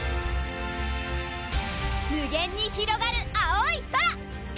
無限にひろがる青い空！